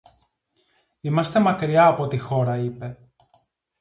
Είμαστε μακριά από τη χώρα, είπε